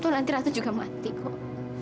tuh nanti ratu juga mati kok